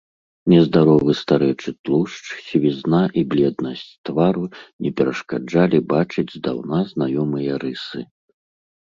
Нездаровы старэчы тлушч, сівізна і бледнасць твару не перашкаджалі бачыць здаўна знаёмыя рысы.